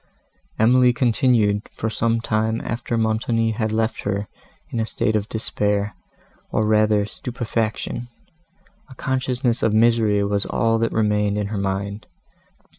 Emily continued, for some time after Montoni had left her, in a state of despair, or rather stupefaction; a consciousness of misery was all that remained in her mind.